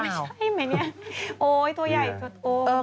ไม่ใช่ไหมเนี่ยโอ๊ยตัวใหญ่ด้วย